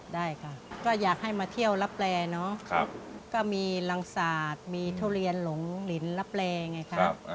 ได้ค่ะก็อยากให้มาเที่ยวรับแร่เนาะก็มีรังศาสตร์มีทุเรียนหลงลินลับแลไงครับ